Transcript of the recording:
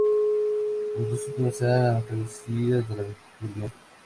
Los dos últimos eran las cabecillas de la rebelión.